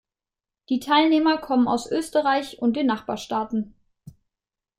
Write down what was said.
Die Teilnehmer kommen aus Österreich und den Nachbarstaaten.